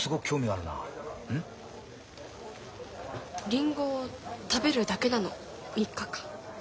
リンゴを食べるだけなの３日間。